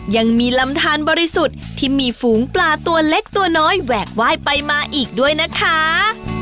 ยังมีลำทานบริสุทธิ์ที่มีฝูงปลาตัวเล็กตัวน้อยแหวกไหว้ไปมาอีกด้วยนะคะ